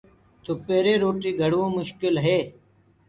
دُپيري چولِي مي روٽي گھڙوو مشڪل هي۔